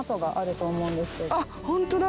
あっホントだ！